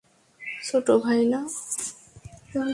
ছোট ভাই না?